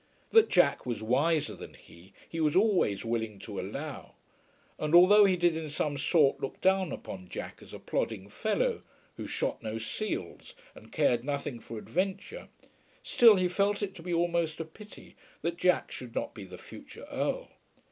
That Jack was wiser than he, he was always willing to allow; and although he did in some sort look down upon Jack as a plodding fellow, who shot no seals and cared nothing for adventure, still he felt it to be almost a pity that Jack should not be the future Earl.